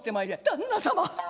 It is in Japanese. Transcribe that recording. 「旦那様